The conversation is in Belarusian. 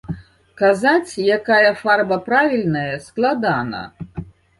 Казаць, якая фарба правільная, складана.